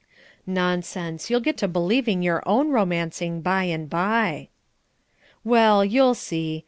"Nonsense. You'll get to believing your own romancing by and by." "Well, you'll see.